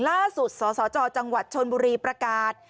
สสจจังหวัดชนบุรีประกาศ